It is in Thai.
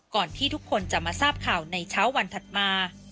ที่ทุกคนจะมาทราบข่าวในเช้าวันถัดมา